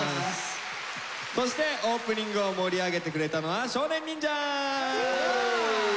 そしてオープニングを盛り上げてくれたのは少年忍者！